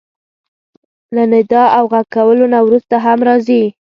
له ندا او غږ کولو نه وروسته هم راځي.